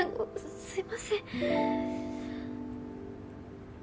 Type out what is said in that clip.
すいません。